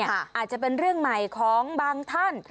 อาจจะเป็นเรื่องใหม่ของบางท่าน